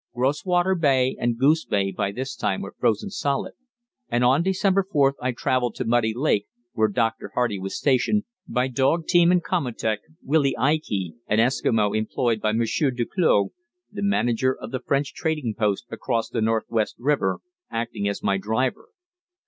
Groswater Bay and Goose Bay by this time were frozen solid, and on December 4th I travelled to Muddy Lake, where Dr. Hardy was stationed, by dog team and komatik, Willie Ikey, an Eskimo employed by Monsieur Duclos, the manager of the French trading post across the Northwest River, acting as my driver.